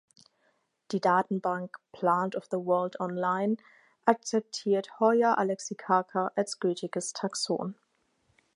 Die Datenbank "Plant of the World online" akzeptiert "Hoya alexicaca" als gültiges Taxon.